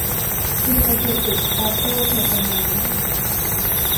ซินเนอร์เจติค ออโต้ เพอร์ฟอร์มานซ์